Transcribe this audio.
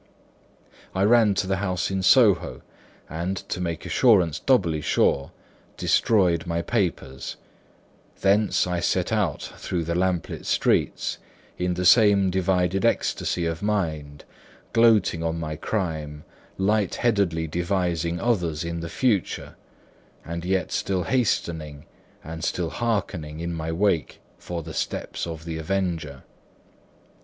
I ran to the house in Soho, and (to make assurance doubly sure) destroyed my papers; thence I set out through the lamplit streets, in the same divided ecstasy of mind, gloating on my crime, light headedly devising others in the future, and yet still hastening and still hearkening in my wake for the steps of the avenger.